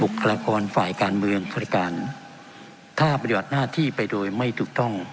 คลากรฝ่ายการเมืองบริการถ้าปฏิบัติหน้าที่ไปโดยไม่ถูกต้อง